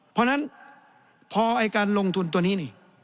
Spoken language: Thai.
เพราะฉะนั้นพอไอ้การลงทุนตัวนี้นี่